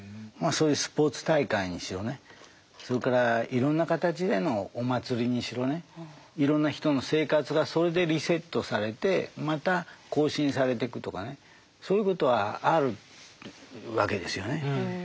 まあそういうスポーツ大会にしろねそれからいろんな形でのお祭りにしろねいろんな人の生活がそれでリセットされてまた更新されていくとかねそういうことはあるわけですよね。